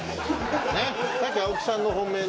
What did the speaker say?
さっき青木さんの本命の。